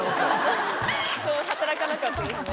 働かなかったですね。